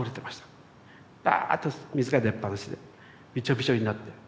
バーッと水が出っぱなしでビチョビチョになって。